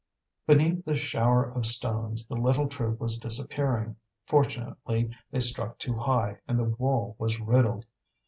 Beneath this shower of stones the little troop was disappearing. Fortunately they struck too high, and the wall was riddled.